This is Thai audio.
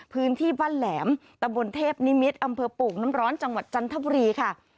พื้นที่บ้านแหลมตะบนเทพนิมิตรอำเภอโป่งน้ำร้อนจังหวัดจันทบุรีค่ะ